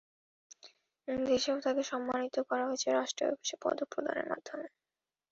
দেশেও তাঁকে সম্মানিত করা হয়েছে রাষ্ট্রীয় একুশে পদক প্রদানের মধ্য দিয়ে।